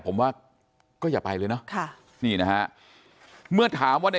ผมว่าก็จะไปเลยเนาะ